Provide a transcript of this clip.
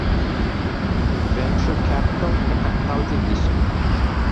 Venture Capital é capital de risco.